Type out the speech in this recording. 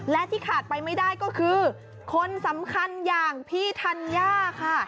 และที่ขาดไปไม่ได้ก็คือคนสำคัญอย่างพี่ธัญญาค่ะ